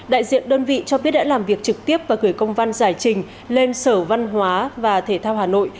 đại diện đơn vị cho biết đã làm việc trực tiếp và gửi công văn giải trình lên sở văn hóa và thể thao hà nội